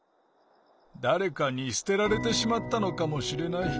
だれかにすてられてしまったのかもしれない。